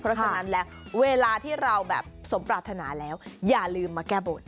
เพราะฉะนั้นแล้วเวลาที่เราแบบสมปรารถนาแล้วอย่าลืมมาแก้บน